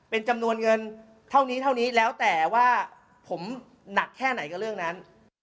เป็นจำนวนเงินเท่านี้เท่านี้แล้วแต่ว่าผมหนักแค่ไหนกับเรื่องนั้น